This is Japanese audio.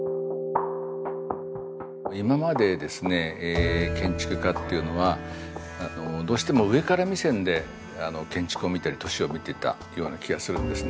今までですね建築家っていうのはどうしても上から目線で建築を見たり都市を見てたような気がするんですね。